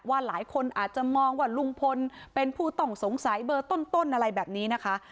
หลายคนอาจจะมองว่าลุงพลเป็นผู้ต้องสงสัยเบอร์ต้นอะไรแบบนี้นะคะ